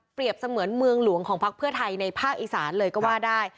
เสมือนเมืองหลวงของพักเพื่อไทยในภาคอีสานเลยก็ว่าได้